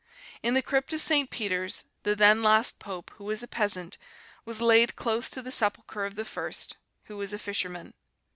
In the crypt of St. Peter's the then last pope, who was a peasant, was laid close to the sepulchre of the First, who was a fisherman.